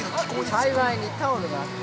幸いにタオルがあって。